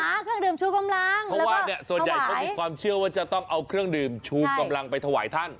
เครื่องดื่มชูกำลังเพราะว่าเนี่ยส่วนใหญ่เขามีความเชื่อว่าจะต้องเอาเครื่องดื่มชูกำลังไปถวายท่าน